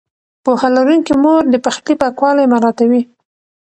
پوهه لرونکې مور د پخلي پاکوالی مراعتوي.